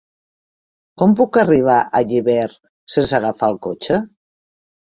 Com puc arribar a Llíber sense agafar el cotxe?